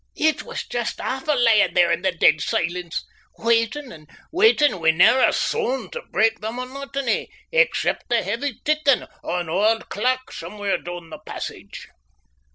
It was just awfu' lyin' there in the deid silence, waitin' and waitin' wi' never a soond tae break the monotony, except the heavy tickin' o' an auld clock somewhere doon the passage.